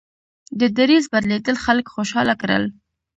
د دریځ بدلېدل خلک خوشحاله کړل.